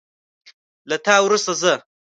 له تا وروسته زه